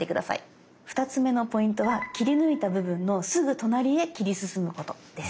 ２つ目のポイントは切り抜いた部分のすぐ隣へ切り進むことです。